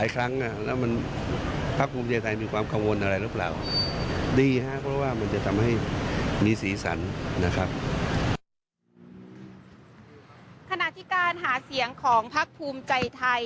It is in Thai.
ขณะที่การหาเสียงของพักภูมิใจไทย